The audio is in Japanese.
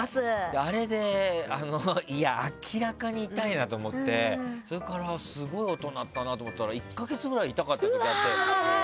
あれで明らかに痛いなと思ってそれからすごい音鳴ったなと思ったら１か月くらい痛かった時あって。